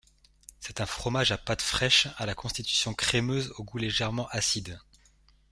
C'est un fromage à pâte fraîche à la constitution crémeuse au goût légèrement acide.